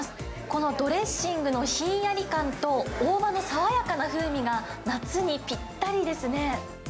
このドレッシングのひんやり感と、大葉の爽やかな風味が夏にぴったりですね。